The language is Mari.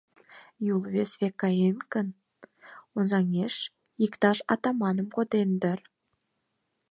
Юл вес век каен гын, Озаҥеш иктаж атаманым коден дыр?